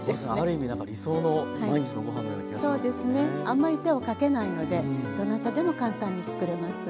あんまり手をかけないのでどなたでも簡単に作れます。